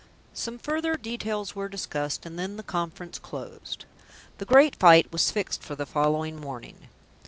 Some further details were discussed, and then the conference closed. The great fight was fixed for the following morning.